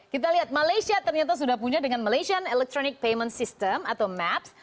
kita lihat malaysia ternyata sudah punya dengan malaysian electronic payment system atau maps